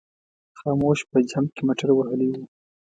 خاموش په جمپ کې موټر وهلی و.